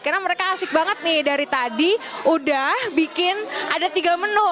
karena mereka asik banget nih dari tadi udah bikin ada tiga menu